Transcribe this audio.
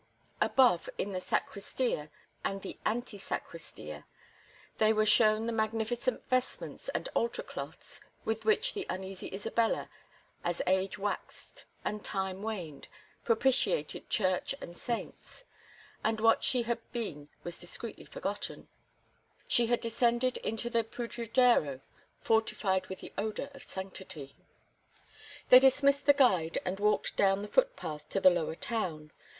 Above, in the Sacristia and Ante Sacristia, they were shown the magnificent vestments and altar cloths with which the uneasy Isabella, as age waxed and time waned, propitiated Church and saints. And what she had been was discreetly forgotten; she had descended into the Pudridero fortified with the odor of sanctity. They dismissed the guide and walked down the foot path to the lower town.